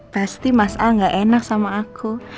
pasti mas al gak enak sama aku